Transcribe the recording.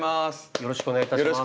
よろしくお願いします